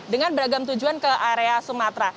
dengan beragam tujuan ke area sumatera